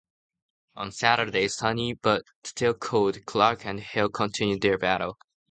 On Saturday, sunny but still cold, Clark and Hill continued their battle.